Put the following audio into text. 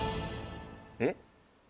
えっ？